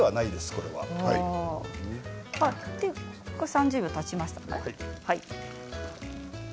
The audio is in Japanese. これ３０秒たちました。